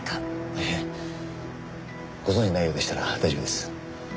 いえご存じないようでしたら大丈夫です。